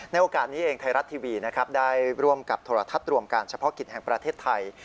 โอกาสนี้เองไทยรัฐทีวีนะครับได้ร่วมกับโทรทัศน์รวมการเฉพาะกิจแห่งประเทศไทย